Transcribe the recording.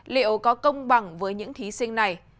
liệu có công bằng với những thí sinh này